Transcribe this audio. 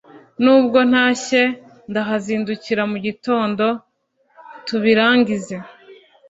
Nubwo ntashye ndahazindukira mugitondo tubirangize